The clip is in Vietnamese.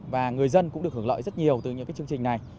và người dân cũng được hưởng lợi rất nhiều từ những chương trình này